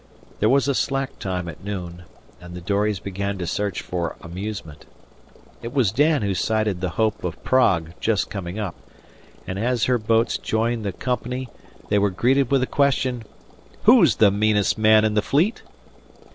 There was a slack time at noon, and the dories began to search for amusement. It was Dan who sighted the Hope Of Prague just coming up, and as her boats joined the company they were greeted with the question: "Who's the meanest man in the Fleet?"